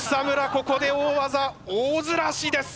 ここで大技大ずらしです。